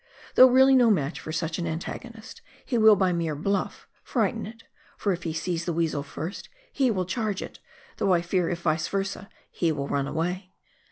Though really no match for such an antagonist, he will by mere " bluff " frighten it, for if he sees the weasel first he will charge it, though I fear if vice versa, he will run away.